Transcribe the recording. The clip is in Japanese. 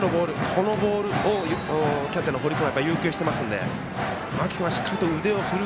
このボールをキャッチャーの堀君は要求してますので間木君はしっかり腕を振る。